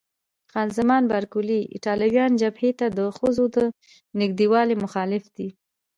خان زمان بارکلي: ایټالویان جبهې ته د ښځو د نږدېوالي مخالف دي.